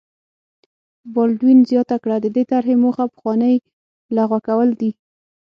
بالډوین زیاته کړه د دې طرحې موخه پخوانۍ لغوه کول دي.